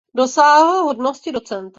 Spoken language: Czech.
Dosáhl hodnosti docenta.